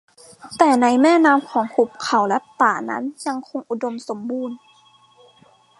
แต่ในแม่น้ำของหุบเขาและป่านั้นยังคงอุดมสมบูรณ์